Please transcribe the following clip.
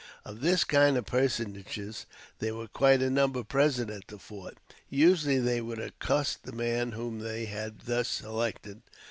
Of this kind of personages there were quite a number present at the fort. Usually they would accost the man whom they had thus selected.